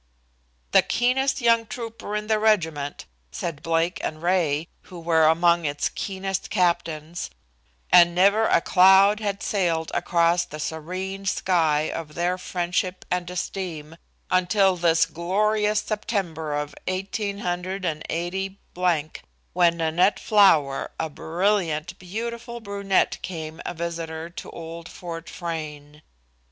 "The keenest young trooper in the regiment," said Blake and Ray, who were among its keenest captains, and never a cloud had sailed across the serene sky of their friendship and esteem until this glorious September of 188 , when Nanette Flower, a brilliant, beautiful brunette came a visitor to old Fort Frayne.